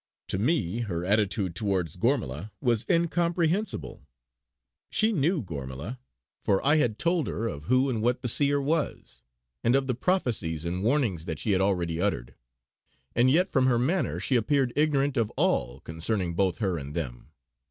To me, her attitude towards Gormala was incomprehensible. She knew Gormala, for I had told her of who and what the Seer was, and of the prophecies and warnings that she had already uttered; and yet from her manner she appeared ignorant of all concerning both her and them.